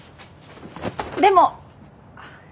でも。